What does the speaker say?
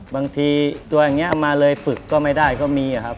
บางทีตัวอย่างนี้มาเลยฝึกก็ไม่ได้ก็มีครับ